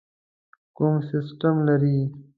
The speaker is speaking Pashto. کوم سیسټم لرئ؟